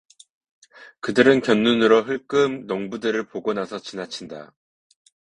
그들은 곁눈으로 흘금 농부들을 보고 나서 지나친다.